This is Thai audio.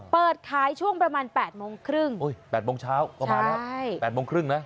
เปิดขายช่วงประมาณ๘โมงครึ่ง๘โมงเช้าก็มาแล้ว๘โมงครึ่งนะ